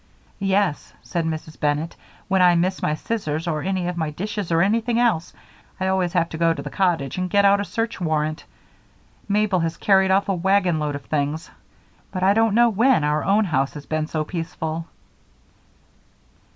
"Yes," said Mrs. Bennett, "when I miss my scissors or any of my dishes or anything else, I always have to go to the cottage and get out a search warrant. Mabel has carried off a wagonload of things, but I don't know when our own house has been so peaceful."